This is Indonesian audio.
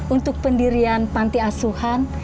untuk pendirian pantiasuhan